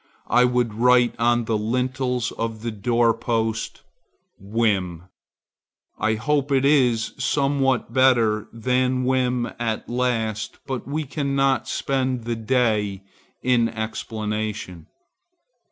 I would write on the lintels of the door post, Whim. I hope it is somewhat better than whim at last, but we cannot spend the day in explanation.